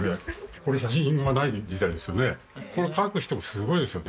これ写真がない時代ですよね。